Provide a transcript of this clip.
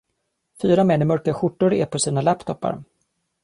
fyra män i mörka skjortor är på sina laptopar.